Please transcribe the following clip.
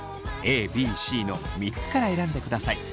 ＡＢＣの３つから選んでください。